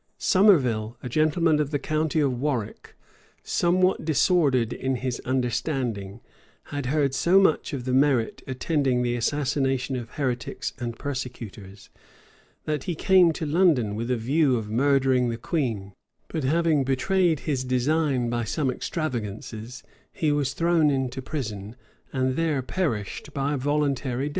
Somerville, a gentleman of the county of Warwick, somewhat disordered in his understanding, had heard so much of the merit attending the assassination of heretics and persecutors, that he came to London with a view of murdering the queen; but having betrayed his design by some extravagances, he was thrown into prison, and there perished by a voluntary death.